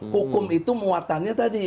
hukum itu muatannya tadi